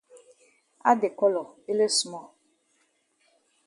Add de colour ele small.